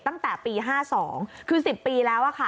ตั้งแต่ปี๕๒คือ๑๐ปีแล้วค่ะ